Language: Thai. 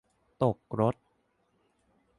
ตกรถ